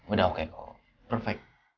udah oke bu perfect